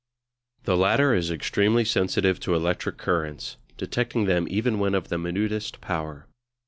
The latter is extremely sensitive to electric currents, detecting them even when of the minutest power.